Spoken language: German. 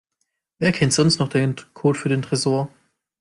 Wer kennt sonst noch den Code für den Tresor?